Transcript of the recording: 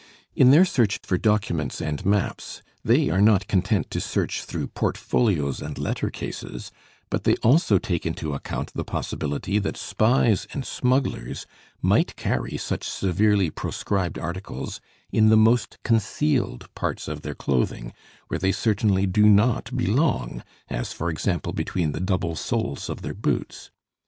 In their search for documents and maps they are not content to search through portfolios and letter cases but they also take into account the possibility that spies and smugglers might carry such severely proscribed articles in the most concealed parts of their clothing, where they certainly do not belong, as for example between the double soles of their boots.